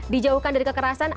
dijauhkan dari kekerasan